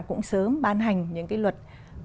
cũng sớm ban hành những cái luật